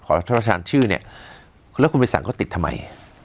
ขอพระราชทานชื่อเนี่ยแล้วคุณไปสั่งก็ติดทำไม